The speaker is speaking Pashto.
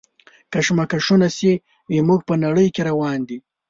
کشمکشونه چې زموږ په نړۍ کې روان دي.